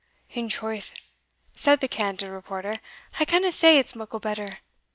"In troth," said the candid reporter, "I canna say it's muckle better.